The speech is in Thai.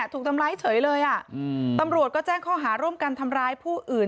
ถูกทำร้ายเฉยเลยอ่ะอืมตำรวจก็แจ้งข้อหาร่วมกันทำร้ายผู้อื่น